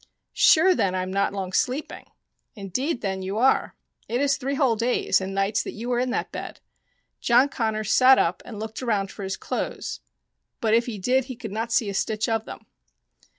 " Sure then I am not long sleeping ?"" Indeed, then, you are : it is three whole days and nights that you are in that bed." John Connors sat up and looked around for his clothes, but if he did he could not see a stitch of them.